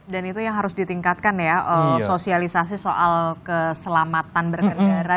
dan itu yang harus ditingkatkan ya sosialisasi soal keselamatan bernegara